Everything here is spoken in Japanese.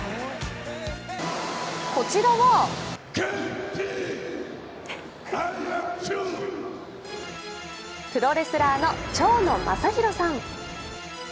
こちらはプロレスラーの蝶野正洋さん。